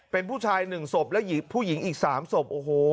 เป็นผู้ชาย๑ศพและผู้หญิงอีก๓ศพโอ้โห